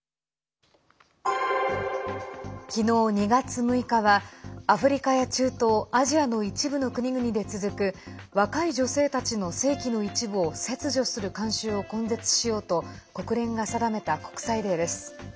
昨日２月６日はアフリカや中東アジアの一部の国々で続く若い女性たちの性器の一部を切除する慣習を根絶しようと国連が定めた国際デーです。